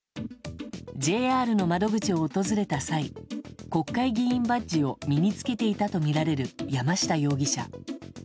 ＪＲの窓口を訪れた際国会議員バッジを身に着けていたとみられる山下容疑者。